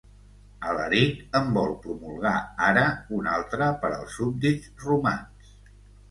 Alaric en vol promulgar ara un altre per als súbdits romans.